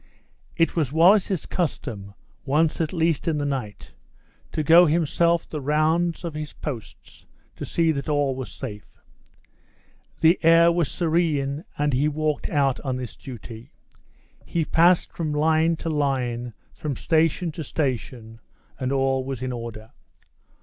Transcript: It was Wallace's custom, once at least in the night, to go himself the rounds of his posts, to see that all was safe. The air was serene and he walked out on this duty. He passed from line to line, from station to station, and all was in order.